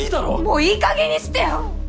もういいかげんにしてよ！